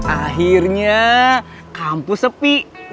akhirnya kampus sepi